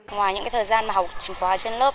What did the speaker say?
ngoài những thời gian học trình khóa trên lớp